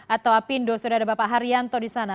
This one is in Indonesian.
atau apindo sudah ada bapak haryanto di sana